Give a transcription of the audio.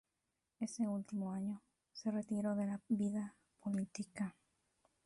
Ese último año se retiró de la vida política.